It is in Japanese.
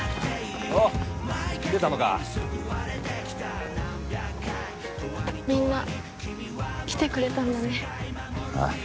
おう来てたのかみんな来てくれたんだねああ